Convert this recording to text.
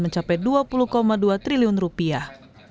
mencapai dua puluh dua triliun rupiah